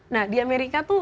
nah di amerika tuh